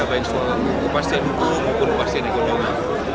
baik soal kepastian hukum maupun kepastian ekonomi